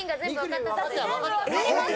私全部分かりました。